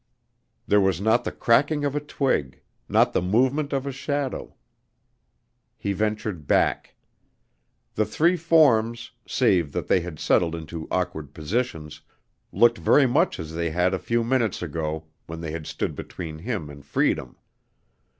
There was not the cracking of a twig not the movement of a shadow. He ventured back. The three forms, save that they had settled into awkward positions, looked very much as they had a few minutes ago when they had stood between him and freedom.